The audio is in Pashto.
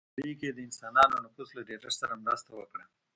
په نړۍ کې یې د انسانانو نفوس له ډېرښت سره مرسته وکړه.